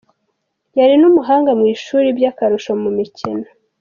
Yari n’umuhanga mu ishuri , by’akarusho mu mikino.